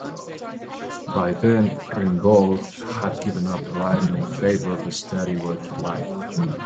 By then Rimbaud had given up writing in favour of a steady, working life.